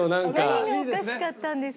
何がおかしかったんですか？